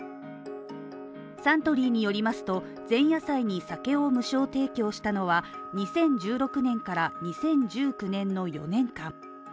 サントリーによりますと、前夜祭に酒を無償提供したのは２０１６年から２０１９年の４年間。